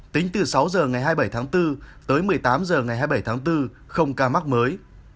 tính từ sáu h ngày hai mươi bảy tháng bốn tới một mươi tám h ngày hai mươi bảy tháng bốn không ca mắc mới